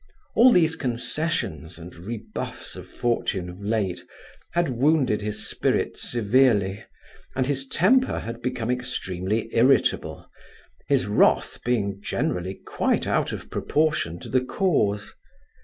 All these concessions and rebuffs of fortune, of late, had wounded his spirit severely, and his temper had become extremely irritable, his wrath being generally quite out of proportion to the cause.